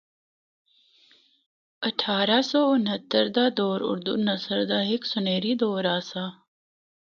اٹھارہ سو انہتر دا دور آردو نثر دا ہک سنہری دور آسا۔